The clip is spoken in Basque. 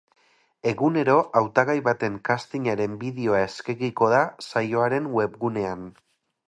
Egunero hautagai baten castingaren bideoa eskegiko da saioaren webgunean.